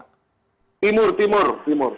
timur timur timur